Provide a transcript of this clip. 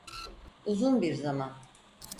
Uzun bir zaman.